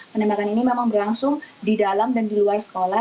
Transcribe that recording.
penembakan ini memang berlangsung di dalam dan di luar sekolah